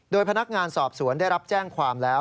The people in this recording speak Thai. โดยพนักงานสอบสวนได้รับแจ้งความแล้ว